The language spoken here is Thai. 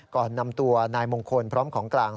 ก่อนนำตัวนายมงคลพร้อมของกลาง